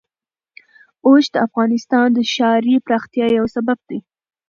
اوښ د افغانستان د ښاري پراختیا یو سبب دی.